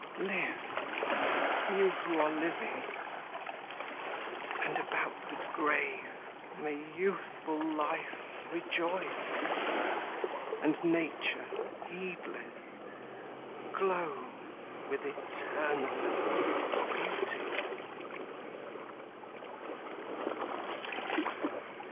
Live, you who are living, 'And about the grave May youthful life rejoice, And nature heedless Glow with eternal beauty.